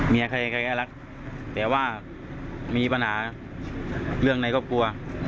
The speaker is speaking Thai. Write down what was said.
เมียใครก็รักแต่ว่ามีปัญหาเรื่องในครอบครัว